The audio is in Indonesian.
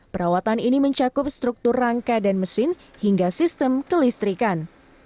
perawatan ini mencakup struktur rangka dan mesin hingga sistem kelistrikan